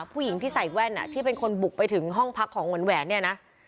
ผู้หญิงที่ใส่แว่นที่เป็นคนบุกไปถึงห้องพักของแหวนเนี่ยนะ